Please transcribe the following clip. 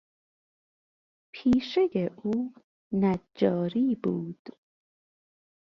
پیشهی او نجاری بود.